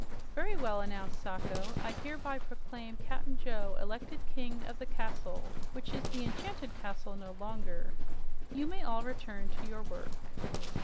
"Very well," announced Sacho. "I hereby proclaim Cap'n Joe elected King of the Castle, which is the Enchanted Castle no longer. You may all return to your work."